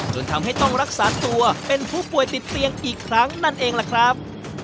จนทำให้ต้องรักษาตัวเป็นผู้ป่วยติดเตียงอีกครั้งนั่นเองล่ะครับ